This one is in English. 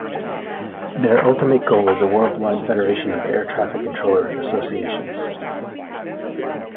Their ultimate goal is a worldwide federation of Air Traffic Controllers' Associations.